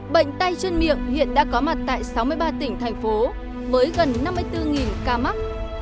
bệnh tay chân miệng hiện đã có mặt tại sáu mươi ba tỉnh thành phố với gần năm mươi bốn ca mắc